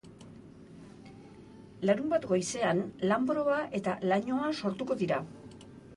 Larunbat goizean, lanbroa eta lainoa sortuko dira.